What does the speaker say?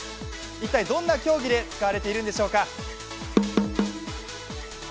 一体どんな競技で使われているんでしょうか。